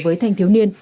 với thanh thiếu niên